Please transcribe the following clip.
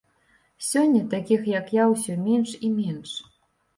Сёння такіх, як я, усё менш і менш.